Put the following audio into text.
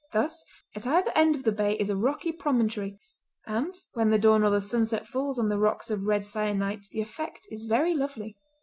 Thus at either end of the bay is a rocky promontory, and when the dawn or the sunset falls on the rocks of red syenite the effect is very lovely.